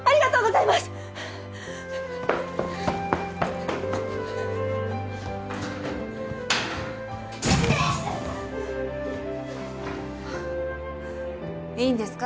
いいんですか？